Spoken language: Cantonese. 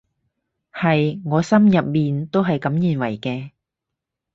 係，我心入面都係噉認為嘅